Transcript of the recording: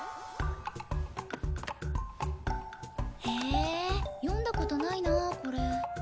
へえ読んだことないなこれ。